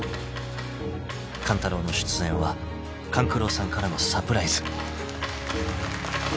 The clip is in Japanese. ［勘太郎の出演は勘九郎さんからのサプライズ］